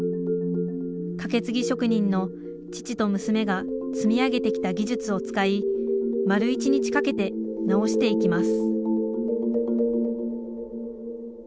かけつぎ職人の父と娘が積み上げてきた技術を使い丸一日かけて直していきます